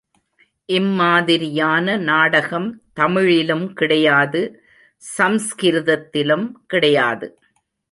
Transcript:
இம்மாதிரியான நாடகம் தமிழிலும் கிடையாது, சம்ஸ்கிருதத்திலும் கிடையாது.